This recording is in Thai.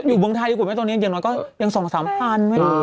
อยู่เมืองไทยอยู่กว่าแม่ตอนนี้เดี๋ยวนอนก็ยัง๒๓พันธุ์ด้วย